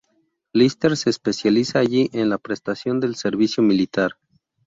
Líster se especializa allí en la prestación del servicio militar.